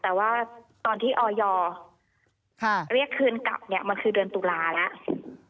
แต่ว่าตอนที่ออยเรียกคืนกลับเนี่ยมันคือเดือนตุลาแล้ว